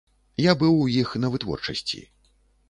Я быў у іх на вытворчасці.